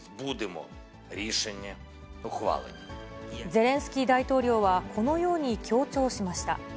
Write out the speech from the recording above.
ゼレンスキー大統領は、このように強調しました。